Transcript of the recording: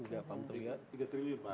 tiga triliun pak